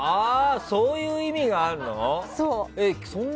そういう意味があるんだ。